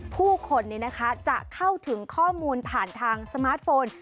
ผู้คนนี้นะคะจะเข้าถึงข้อมูลผ่านทางสมาร์ทโฟน